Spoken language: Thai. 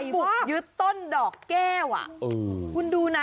ปลูกยึดต้นดอกแก้วอ่ะคุณดูนะ